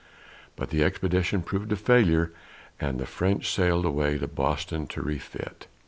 but the expedition proved a failure, and the French sailed away to Boston to refit.